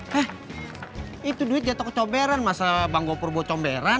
hah itu duit jatoh kecomberan masa bang gopur bawa comberan